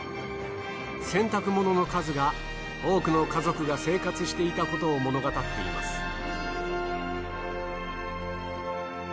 洗濯物の数が多くの家族が生活していたことを物語っています。